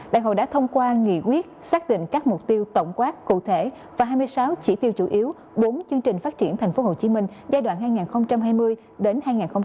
đại hội đã thông qua nghị quyết xác định các mục tiêu tổng quát cụ thể và hai mươi sáu chỉ tiêu chủ yếu bốn chương trình phát triển tp hcm giai đoạn hai nghìn hai mươi hai nghìn hai mươi năm hai nghìn ba mươi